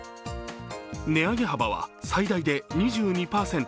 値上げ幅は最大で２２％。